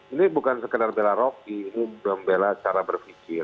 ini bukan sekedar bela rocky ini membela cara berpikir